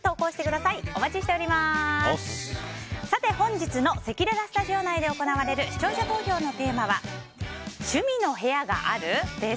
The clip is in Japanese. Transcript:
さて、本日のせきららスタジオ内で行われる視聴者投票のテーマは趣味の部屋がある？です。